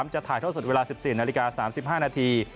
จะถ่ายท่อสดเวลา๑๔นาฬิกา๓๕นาที